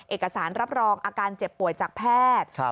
เอกสารรับรองอาการเจ็บป่วยจากแพทย์